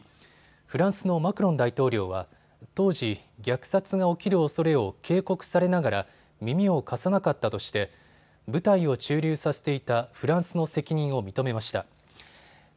フランスのマクロン大統領は当時虐殺が起きるおそれを警告されながら耳を貸さなかったとして部隊を駐留させていたフランスの責任を認めました。